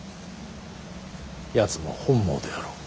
やつも本望であろう。